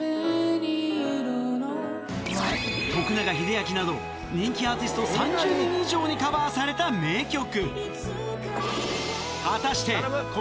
徳永英明など、人気アーティスト３０人以上にカバーされた名曲。